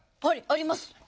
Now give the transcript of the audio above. はいあります。